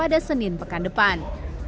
di pekan depan